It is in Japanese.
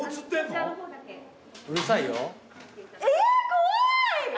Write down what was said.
えっ怖い！